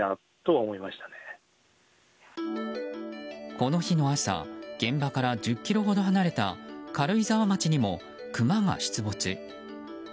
この日の朝現場から１０ｋｍほど離れた軽井沢町にもクマが出没。